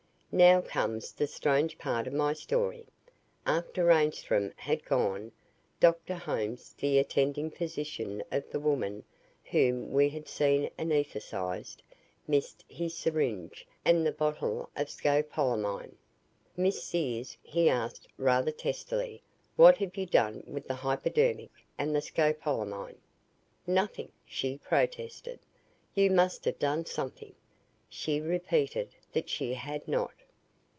Now comes the strange part of my story. After Reinstrom had gone, Dr. Holmes, the attending physician of the woman whom we had seen anesthetized, missed his syringe and the bottle of scopolamine. "Miss Sears," he asked rather testily, "what have you done with the hypodermic and the scopolamine?" "Nothing," she protested. "You must have done something." She repeated that she had not.